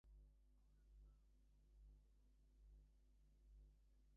Roosevelt's actions served as a precedent.